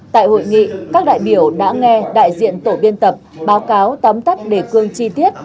tại hội nghị các đại biểu đã nghe đại diện tổ biên tập báo cáo tóm tắt đề cương chi tiết